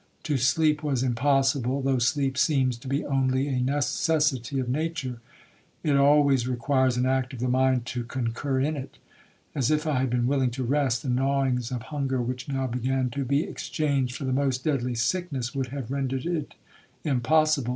To sleep was impossible. Though sleep seems to be only a necessity of nature, it always requires an act of the mind to concur in it. And if I had been willing to rest, the gnawings of hunger, which now began to be exchanged for the most deadly sickness, would have rendered it impossible.